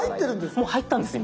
もう入ってるんですか？